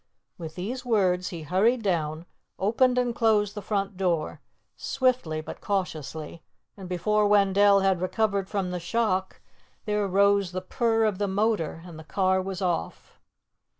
With these words, he hurried down, opened and closed the front door, swiftly but cautiously, and before Wendell had recovered from the shock, there rose the purr of the motor, and the car was off.